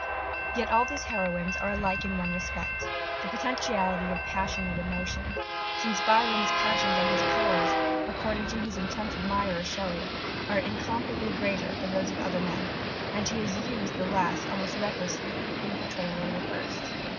Yet all these heroines are alike in one respect their potentiality of passionate emotion: since Byron's "passions and his powers," according to his intense admirer Shelley, "are incomparably greater than those of other men:" and he has used the last almost recklessly in portrayal of the first.